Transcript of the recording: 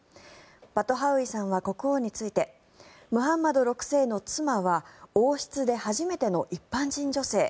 バトハウイさんは国王についてムハンマド６世の妻は王室で初めての一般人女性。